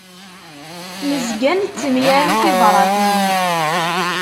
Nezga nettemyaru tibratin.